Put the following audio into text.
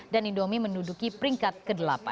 dan indomie menduduki peringkat ke delapan